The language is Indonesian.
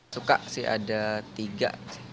suka sih ada tiga